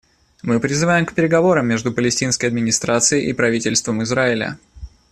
Мы призываем к переговорам между Палестинской администрацией и правительством Израиля.